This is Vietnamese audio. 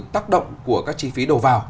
tác động của các chi phí đầu vào